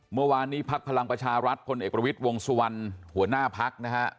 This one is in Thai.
เมื่อวานนี้พักพลังประชารัฐพลเอกประวิทย์วงสุวรรณหัวหน้าพักนะฮะ